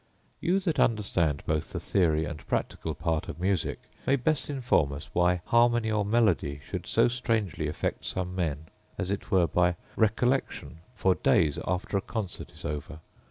You that understand both the theory and practical part of music may best inform us why harmony or melody should so strangely affect some men, as it were by recollection, for days after a concert is over.